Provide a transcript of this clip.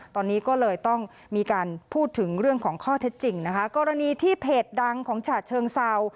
ตอนนี้ก็เลยต้องมีการพูดถึงเรื่องของข้อเท็จจริงนะคะกรณีที่เพจดังของฉะเชิงเซา